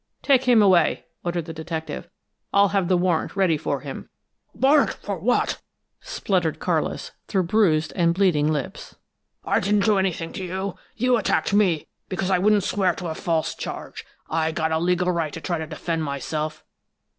"Take him away," ordered the detective. "I'll have the warrant ready for him." "Warrant for what?" spluttered Carlis, through bruised and bleeding lips. "I didn't do anything to you! You attacked me because I wouldn't swear to a false charge. I got a legal right to try to defend myself!"